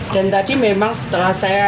dan tadi memang setelah saya